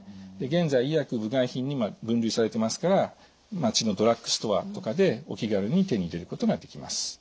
現在医薬部外品に分類されてますから町のドラッグストアとかでお気軽に手に入れることができます。